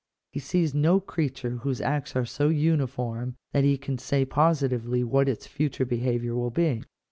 He sees no creature whose acts are so uniform that he can say positively what its future behaviour will be.